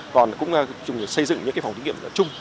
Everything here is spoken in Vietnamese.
còn cũng xây dựng những phòng thí nghiệm chung